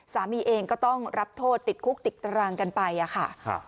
สามีเองก็ต้องรับโทษติดคุกติดตารางกันไปอะค่ะ